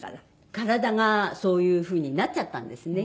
体がそういう風になっちゃったんですねきっと。